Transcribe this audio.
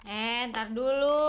eh ntar dulu